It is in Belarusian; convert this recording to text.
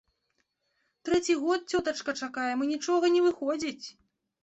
Трэці год, цётачка, чакаем, і нічога не выходзіць.